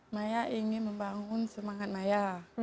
saya ingin membangun semangat saya